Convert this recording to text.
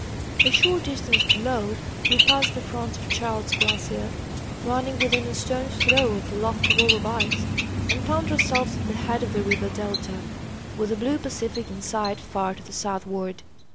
A short distance below we passed the front of Childs glacier, running within a stone's throw of the lofty wall of ice, and found ourselves at the head of the river delta, with the blue Pacific in sight far to the southward.